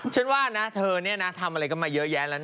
ฉันว่านะเธอเนี่ยนะทำอะไรก็มาเยอะแยะแล้วนะ